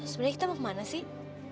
sebenarnya kita mau kemana sih